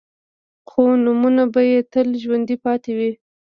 خو نومونه به يې تل ژوندي پاتې وي.